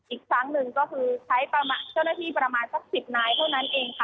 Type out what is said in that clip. อีกครั้งหนึ่งก็คือใช้เจ้าหน้าที่ประมาณสัก๑๐นายเท่านั้นเองค่ะ